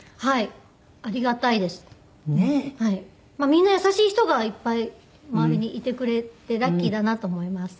みんな優しい人がいっぱい周りにいてくれてラッキーだなと思います。